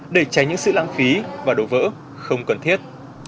để tránh những sự lãng phí và đổ vỡ không cần thiết